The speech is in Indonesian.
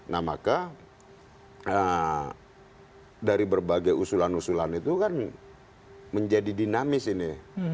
nah maka dari berbagai usulan usulan itu kan menjadi dinamis ini